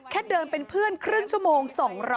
แค่เดินเป็นเพื่อนครึ่งชั่วโมง